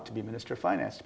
beberapa pekerja yang akan